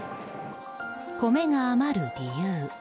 米が余る理由